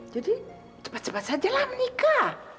jadi cepat cepat sajalah menikah